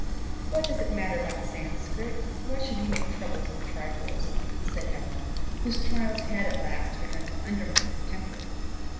"What does it matter about Sanscrit? Why should you make troubles of trifles?" said Helen, whose trials had at last begun to undermine her temper.